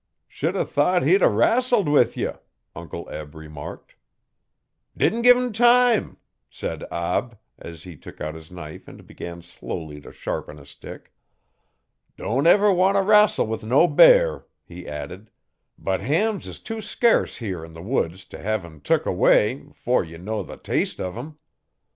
'Should 'a thought he'd 'a rassled with ye,' Uncle Eb remarked. 'Didn't give 'im time,' said Ab, as he took out his knife and began slowly to sharpen a stick. 'Don't never wan' t' rassle with no bear,' he added, 'but hams is too scurce here 'n the woods t' hev 'em tuk away 'fore ye know the taste uv 'em.